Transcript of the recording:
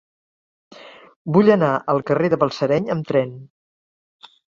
Vull anar al carrer de Balsareny amb tren.